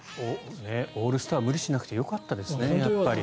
オールスター無理しなくてよかったですね。